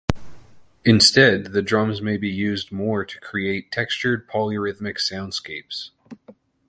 Instead, the drums may be used more to create textured polyrhythmic soundscapes.